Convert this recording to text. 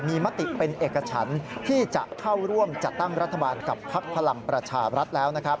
มีมติเป็นเอกฉันที่จะเข้าร่วมจัดตั้งรัฐบาลกับพักพลังประชารัฐแล้วนะครับ